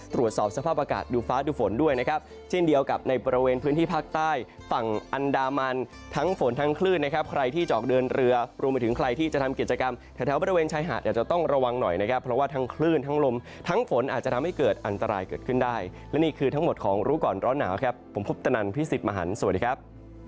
ทั้งลมทั้งฝนอาจจะทำให้เกิดอันตรายเกิดขึ้นได้และนี่คือทั้งหมดของรู้ก่อนร้อนหนาวครับผมพบตนันพี่สิทธิ์มหันสวัสดีครับ